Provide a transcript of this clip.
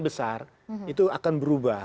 besar itu akan berubah